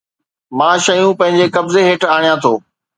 مان شيون پنهنجي قبضي هيٺ آڻيان ٿو